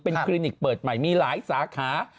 คลินิกเปิดใหม่มีหลายสาขา